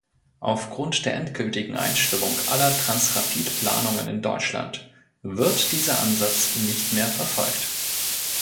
Aufgrund der endgültigen Einstellung aller Transrapid-Planungen in Deutschland wird dieser Ansatz nicht mehr verfolgt.